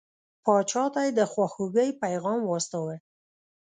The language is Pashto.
پاچا ته یې د خواخوږی پیغام واستاوه.